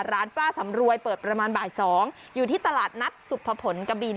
ร้านป้าสำรวยเปิดประมาณบ่าย๒อยู่ที่ตลาดนัดสุภพลกบิน